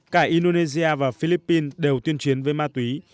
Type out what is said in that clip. cả indonesia và philippines đều tuyên chiến với ma túy